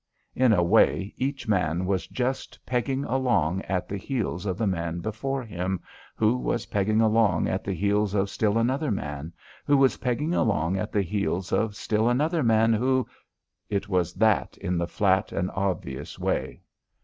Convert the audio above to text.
In one way, each man was just pegging along at the heels of the man before him, who was pegging along at the heels of still another man, who was pegging along at the heels of still another man who It was that in the flat and obvious way.